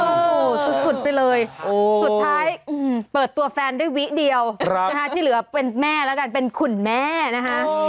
โอ้โหสุดไปเลยสุดท้ายเปิดตัวแฟนด้วยวิเดียวที่เหลือเป็นแม่แล้วกันเป็นขุนแม่นะคะ